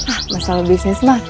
ah masalah bisnis mah